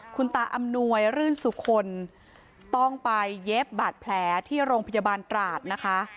คุณตาอำนวยรื่นสุคลต้องไปเย็บบาดแผลที่โรงพยาบาลตราดนะคะ